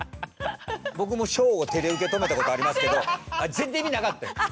僕も小を手で受け止めたことありますけど全然意味なかってん。